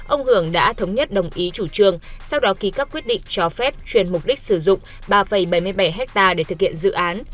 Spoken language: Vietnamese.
ông hưởng đã thống nhất đồng ý chủ trương sau đó ký các quyết định cho phép chuyển mục đích sử dụng ba bảy mươi bảy hectare để thực hiện dự án